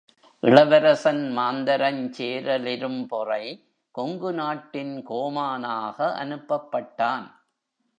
இளவரசன் மாந்தரஞ் சேரலிரும்பொறை, கொங்கு நாட்டின் கோமானாக அனுப்பப்பட்டான்.